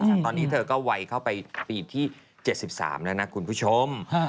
แต่ตอนนี้เธอก็วัยเข้าไปปีที่๗๓แล้วนะคุณผู้ชม